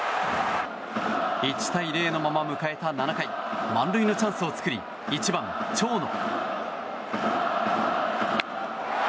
１対０のまま迎えた７回満塁のチャンスを作り１番、長野。